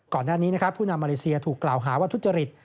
ก่อนหน้านี้ภูนามาเลเซียถูกกล่าวหาว่าทุจริต